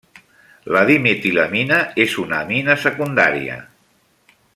La dimetilamina és una amina secundària.